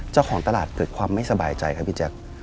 เจ้าของตลาดเกิดความไม่สบายใจครับพี่แจ๊ค